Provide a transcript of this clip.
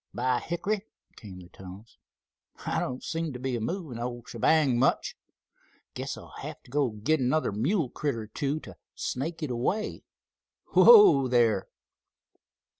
"By hickory!" came the tones. "I don't seem to be movin' th' ole shebang much. Guess I'll hev t' go git another mule critter or two t' snake it away. Whoa there!"